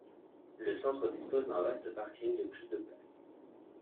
Le centre dispose d'un vaste parking de plus de places.